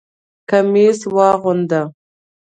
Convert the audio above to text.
کمیس واغونده!